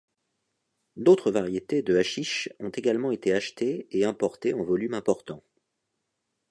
D'autres variétés de haschich ont également été achetées et importées en volume important..